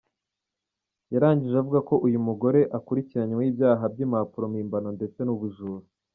Yarangije avuga ko uyu mugore akurikiranyweho ibyaha by’impapuro mpimbano ndetse n’ubujura.